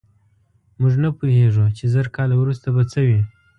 موږ نه پوهېږو، چې زر کاله وروسته به څه وي.